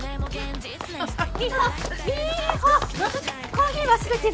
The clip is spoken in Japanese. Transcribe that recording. コーヒー忘れてる。